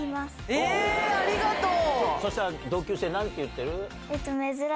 ありがとう！